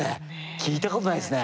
聞いたことないですね。